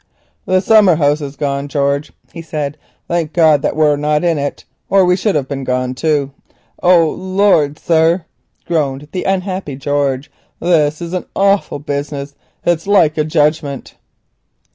"The summer house has gone, George," he said. "Thank goodness that we were not in it, or we should have gone too." "Oh, Lord, sir," groaned the unhappy George, "this is an awful business. It's like a judgment."